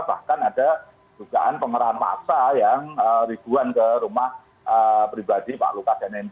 bahkan ada jugaan pemerahan massa yang ribuan ke rumah pribadi pak lukas nmb